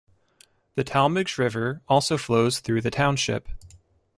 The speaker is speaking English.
The Talmadge River also flows through the township.